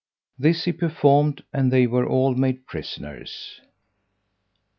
This he performed and they were all made prisoners.